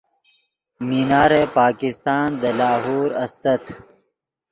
مینار پاکستان دے لاہور استت